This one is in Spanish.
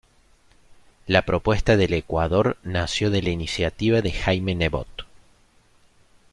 La propuesta del Ecuador nació de la iniciativa de Jaime Nebot.